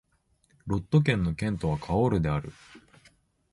ロット県の県都はカオールである